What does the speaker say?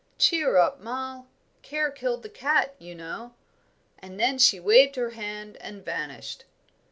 "Cheer up, Moll. Care killed the cat, you know;" and then she waved her hand and vanished.